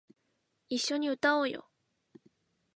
一緒に歌おうよ